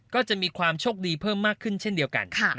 ก็จะมีความโชคดีเพิ่มมากขึ้นเช่นเดียวกัน